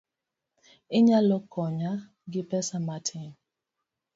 Inyalo konya gi pesa matin?